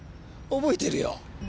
覚えてるよ。